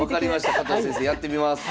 加藤先生やってみます。